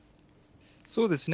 そうですね。